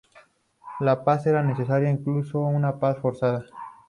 La paz era necesaria, incluso una paz forzada.